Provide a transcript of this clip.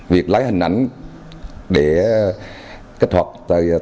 việc lấy hình ảnh để kết hợp đồng bào thiểu số